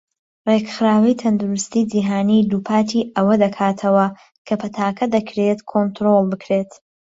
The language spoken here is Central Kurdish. ڕێکخراوی تەندروستی جیهانی دووپاتی ئەوە دەکاتەوە کە پەتاکە دەکرێت کۆنترۆڵ بکرێت.